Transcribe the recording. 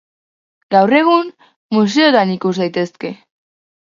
Gaur egun, museotan ikus daitezke.